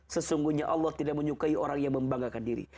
sesungguhnya allah tidak menyukai orang yang membanggakan diri